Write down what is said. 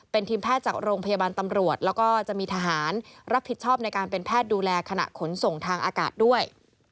เป็นทีมแพทย์จากโรงพยาบาลตำรวจแล้วก็จะมีทหารรับผิดชอบในการเป็นแพทย์ดูแลขณะขนส่งทางอากาศด้วย